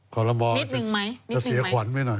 คอรมมจะเสียขวัญไว้หน่อย